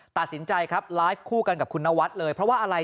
ตัดสินใจครับไลฟ์คู่กันกับคุณนวัดเลยเพราะว่าอะไร